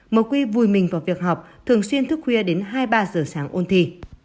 mq vùi mình vào việc học thường xuyên thức khuya đến hai mươi ba h sáng ôn thi